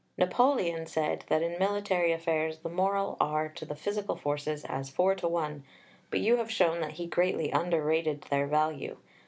Napoleon said that in military affairs the moral are to the physical forces as four to one, but you have shown that he greatly underrated their value.